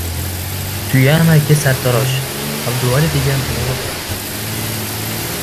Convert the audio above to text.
«Tuya» amaki - sartarosh. Abduvali degan o‘g‘li bor.